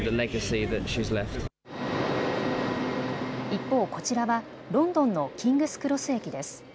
一方、こちらはロンドンのキングスクロス駅です。